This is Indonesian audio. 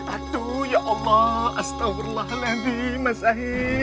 aduh ya allah astaghfirullahaladzim masyaih